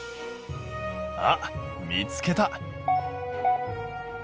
あっ見つけた！